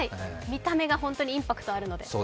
見た目が本当にインパクトあるので。